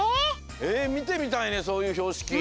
えみてみたいねそういうひょうしき！